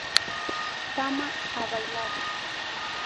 Fama, ¡a bailar!